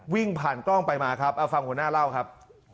วิ่งผ่านกล้องไปมาครับเอาฟังหัวหน้าเล่าครับ